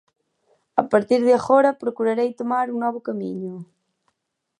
A partir de agora procurarei tomar un novo camiño".